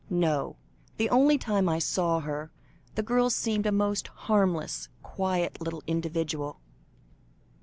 No; the only time I saw her, the girl seemed a most harmless, quiet little individual."